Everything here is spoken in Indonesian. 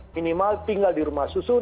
minimal tinggal di rumah susun